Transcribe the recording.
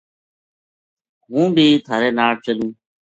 ہوں بی تھہارے ناڑ چلوں‘‘